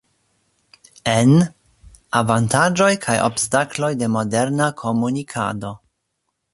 En: Avantaĝoj kaj obstakloj de moderna komunikado.